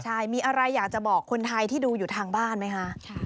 ใช่มีอะไรอยากจะบอกคนไทยที่ดูอยู่ทางบ้านไหมคะ